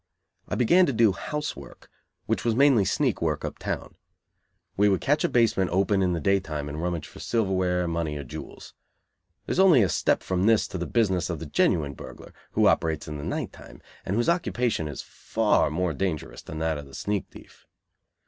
I began to do "house work," which was mainly sneak work up town. We would catch a basement open in the day time, and rummage for silverware, money or jewels. There is only a step from this to the business of the genuine burglar, who operates in the night time, and whose occupation is far more dangerous than that of the sneak thief.